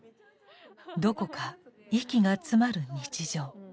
どこか息が詰まる日常。